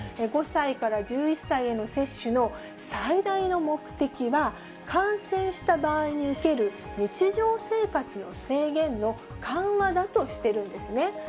５歳から１１歳への接種の最大の目的は、感染した場合に受ける日常生活の制限の緩和だとしているんですね。